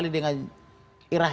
seorang yang beriman